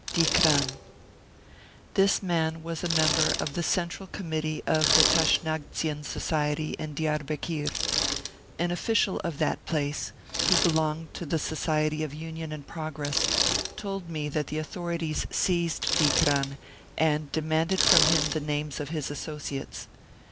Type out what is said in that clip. DIKRAN. This man was a member of the central committee of the Tashnagtzian Society in Diarbekir. An official of that place, who belonged to the Society of Union and Progress, told me that the authorities seized Dikran and demanded from him the names of his associates.